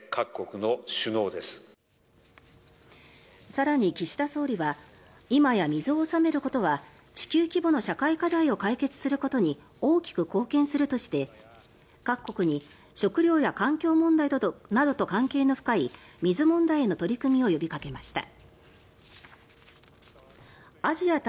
更に、岸田総理は今や水を治めることは地球規模の社会課題を解決することに大きく貢献するとして、各国に食料や環境問題などと関係の深い水問題への取り組みを呼びかけました。